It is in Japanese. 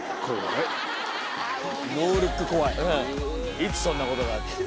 いつ、そんなことあった？